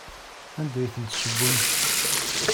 Anda ay ten-tessewwem?